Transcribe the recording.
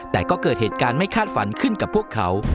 แต่ก็เกิดเหตุการณ์ไม่คาดฝันขึ้นกับพวกเขา